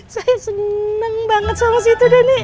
saya seneng banget sama situ denny